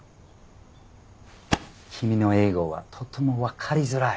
君の英語はとてもわかりづらい。